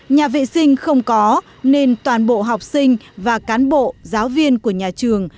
nhà vệ sinh không có nên toàn bộ học sinh và cán bộ giáo viên của nhà trường